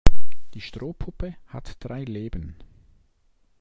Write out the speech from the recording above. Die Strohpuppe hat drei Leben.